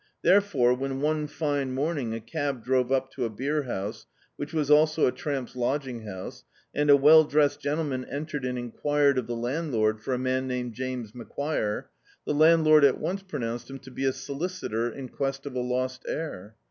Therefore, when one fine morning a cab drove up to a beer house, which was also a tramps' lod^ng house, and a well dressed gentleman entered and enquired of the landlord for a man named James Macquire — the landlord at once pronounced him to be a solicitor in quest of a lost heir.